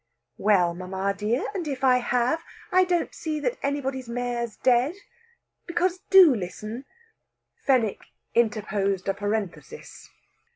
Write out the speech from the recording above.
"Well, mamma dear, and if I have, I don't see that anybody's mare's dead. Because, do listen!" Fenwick interposed a parenthesis.